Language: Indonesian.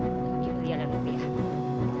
lagi belia dan upiah